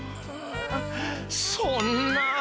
そんな。